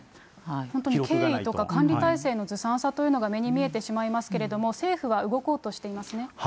本当に経緯とか管理体制のずさんさというのが目に見えてしまいますけれども、政府は動こうとしていますね。